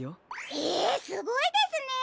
へえすごいですね！